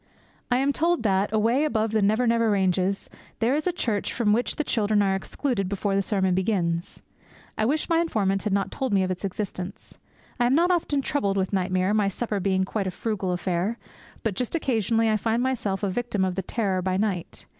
I am told that, away beyond the Never Never ranges, there is a church from which the children are excluded before the sermon begins. I wish my informant had not told me of its existence. I am not often troubled with nightmare, my supper being quite a frugal affair. But just occasionally I find myself a victim of the terror by night.